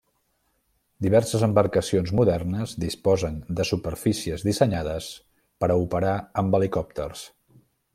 Diverses embarcacions modernes disposen de superfícies dissenyades per a operar amb helicòpters.